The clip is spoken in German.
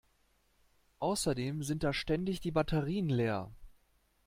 Außerdem sind da ständig die Batterien leer.